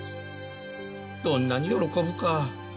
どんなに喜ぶか。